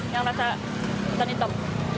yang rasa hutan hitam